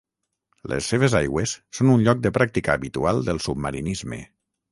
Les seves aigües són un lloc de pràctica habitual del submarinisme.